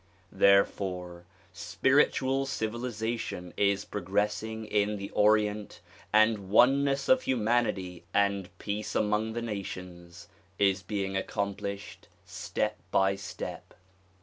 Therefore spiritual civilization is progressing in the Orient and oneness of humanity and peace among the nations is being accomplished step by step.